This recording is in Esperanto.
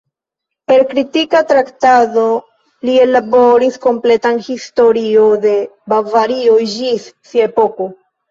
Per kritika traktado, li ellaboris kompletan historio de Bavario ĝis sia epoko.